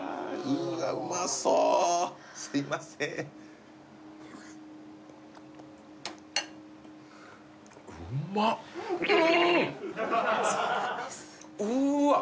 うまそうすいませんうわ！